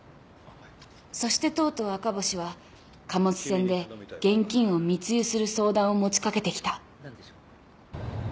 そしてとうとう赤星は貨物船で現金を密輸する相談を持ち掛けてきた。